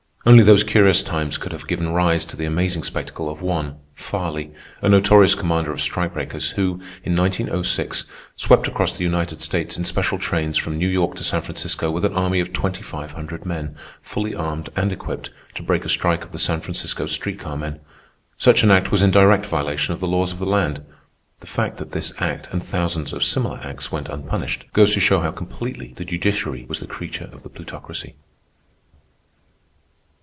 Only those curious times could have given rise to the amazing spectacle of one, Farley, a notorious commander of strike breakers, who, in 1906, swept across the United States in special trains from New York to San Francisco with an army of twenty five hundred men, fully armed and equipped, to break a strike of the San Francisco street car men. Such an act was in direct violation of the laws of the land. The fact that this act, and thousands of similar acts, went unpunished, goes to show how completely the judiciary was the creature of the Plutocracy.